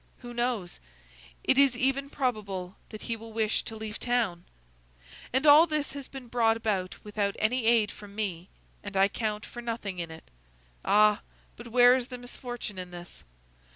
Who knows? it is even probable that he will wish to leave town! And all this has been brought about without any aid from me, and I count for nothing in it! Ah! but where is the misfortune in this?